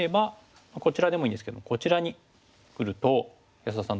こちらでもいいんですけどこちらにくると安田さん